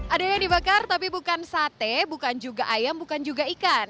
ada yang dibakar tapi bukan sate bukan juga ayam bukan juga ikan